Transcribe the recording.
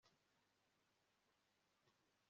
bahigura ibyo bakoze